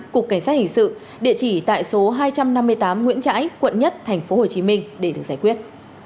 cục cảnh sát hình sự địa chỉ tại số hai trăm năm mươi tám nguyễn trãi quận một tp hcm để được giải quyết